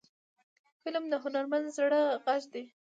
فلم د هنرمند زړه غږ دی